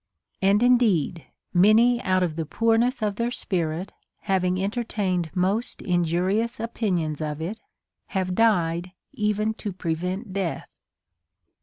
And indeed many out of the poorness of their spirit, having entertained most injurious opinions of it, have died even to prevent death.